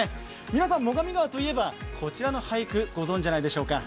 皆さん最上川といえばこちらの俳句ご存じではないでしょうか。